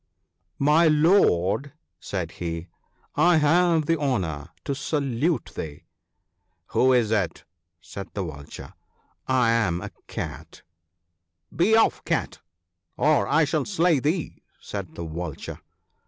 " My lord," said he, " I have the honour to salute thee." " Who is it ?" said the Vulture. " I am a Cat." " Be off, Cat, or I shall slay thee," said the Vulture.